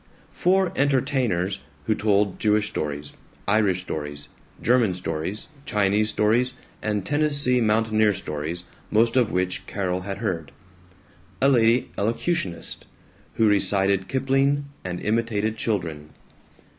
Four "entertainers" who told Jewish stories, Irish stories, German stories, Chinese stories, and Tennessee mountaineer stories, most of which Carol had heard. A "lady elocutionist" who recited Kipling and imitated children.